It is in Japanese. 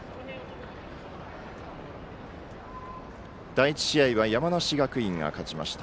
第１試合は山梨学院が勝ちました。